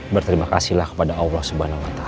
berterima kasih lah kepada allah subhanahu wa ta'ala